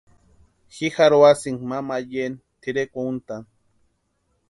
Ji jarhuasïnka mamayeni tʼirekwa úntani.